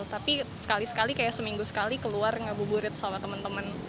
tapi sekali sekali kayak seminggu sekali keluar ngabuburit sama teman teman